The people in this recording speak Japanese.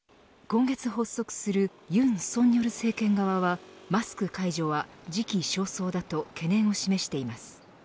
今月発足する尹錫悦政権側はマスク解除は時期尚早だと懸念を示しています。